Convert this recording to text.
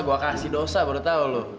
gue kasih dosa baru tau lu